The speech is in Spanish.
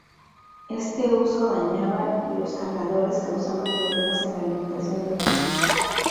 Este uso dañaba los cargadores, causando problemas en la alimentación del fusil.